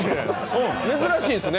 珍しいですね。